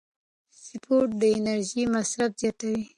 سپورت د انرژۍ مصرف زیاتوي.